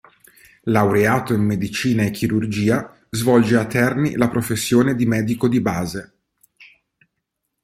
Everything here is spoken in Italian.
Laureato in Medicina e Chirurgia, svolge a Terni la professione di medico di base.